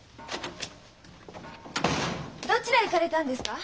どちらへ行かれたんですか？